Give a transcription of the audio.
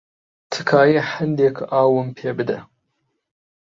تکایە هەندێک ئاوم پێ بدە.